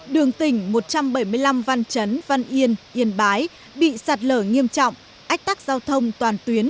đường tỉnh một trăm bảy mươi năm văn chấn văn yên yên bái bị sạt lở nghiêm trọng ách tắc giao thông toàn tuyến